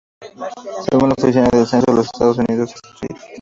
Según la Oficina del Censo de los Estados Unidos, Ste.